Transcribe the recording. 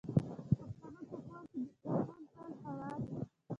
د پښتنو په کور کې دسترخان تل هوار وي.